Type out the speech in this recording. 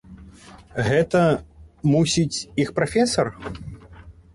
Гэта, мусіць, іх прафесар?